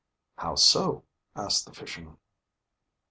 "How so?" asked the fisherman.